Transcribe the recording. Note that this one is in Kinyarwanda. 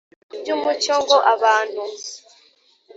Iby umucyo ngo abantu